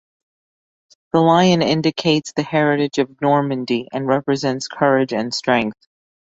The lion indicates the heritage of Normandy and represents courage and strength.